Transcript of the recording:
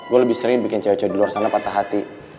gue lebih sering bikin cewek cewek di luar sana patah hati